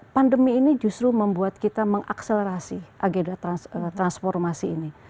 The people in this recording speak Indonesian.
pandemi ini justru membuat kita mengakselerasi agenda transformasi ini